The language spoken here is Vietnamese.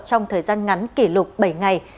trong thời gian ngắn kỷ lục bảy ngày